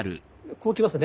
こう来ますね。